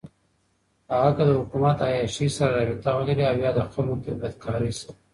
هغــه كه دحــكومت دعيــاشۍ سره رابطه ولري اويا دخلـــكو دبدكارۍ سره.